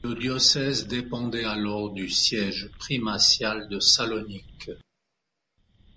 Le diocèse dépendait alors du siège primatial de Salonique.